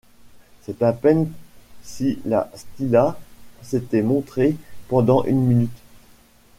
C’est à peine si la Stilla s’était montrée pendant une minute...